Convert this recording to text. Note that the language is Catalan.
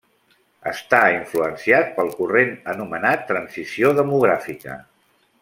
Està influenciat pel corrent anomenat transició demogràfica.